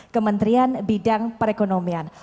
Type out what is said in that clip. kementerian bidang perekonomian